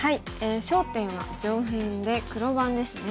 焦点は上辺で黒番ですね。